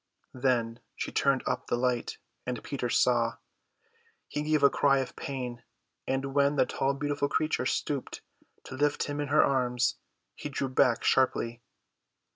Then she turned up the light, and Peter saw. He gave a cry of pain; and when the tall beautiful creature stooped to lift him in her arms he drew back sharply.